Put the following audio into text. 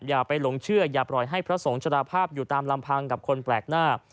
อย่าไปหลงเชื่ออย่าปล่อยให้พระสงฆ์ชราภาพอยู่ตามลำพังกับคนแปลกหน้า